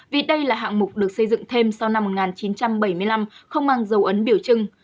vì đây là hạng mục được xây dựng thêm sau năm một nghìn chín trăm bảy mươi năm không mang dấu ấn biểu trưng